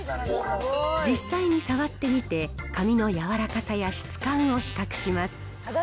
実際に触ってみて、紙の柔らかさや質感を比較します。